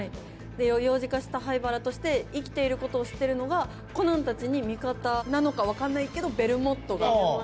幼児化した灰原として生きてることを知ってるのがコナンたちに味方なのか分かんないけどベルモットが。